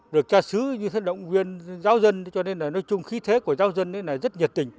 được ca sứ như thế động viên giáo dân cho nên là nói chung khí thế của giáo dân là rất nhiệt tình